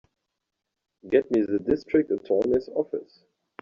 Give me the District Attorney's office.